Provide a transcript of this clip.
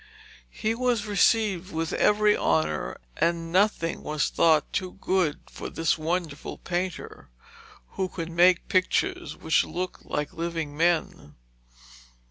He was received with every honour, and nothing was thought too good for this wonderful painter, who could make pictures which looked like living men.